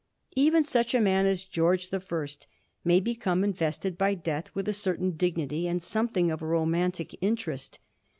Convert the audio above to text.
Even such a man as George the First may become invested by death with a certain dignity and some thing of a romantic interest.